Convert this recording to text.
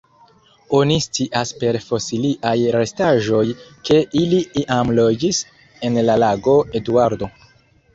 Oni scias per fosiliaj restaĵoj ke ili iam loĝis en la Lago Eduardo.